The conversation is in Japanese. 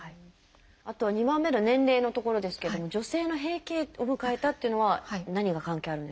あとは２番目の年齢のところですけども女性の「閉経を迎えた」というのは何が関係あるんですか？